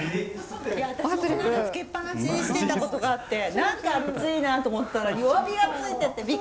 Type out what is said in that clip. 私もこの間つけっぱなしにしてたことがあって何か暑いなと思ったら弱火がついててびっくりしちゃって。